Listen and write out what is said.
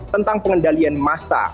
tentang pengendalian massa